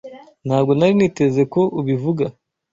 Ntabwo nari niteze ko ubivuga.